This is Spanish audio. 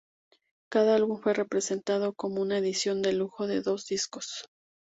Cada álbum fue presentado como una edición de lujo de dos discos.